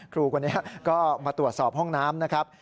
ครูคนนี้ก็มาตรวจสอบห้องน้ำนะครับ